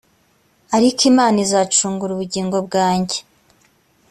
ariko imana izacungura ubugingo bwanjye